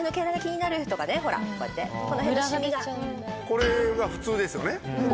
これが普通ですよね。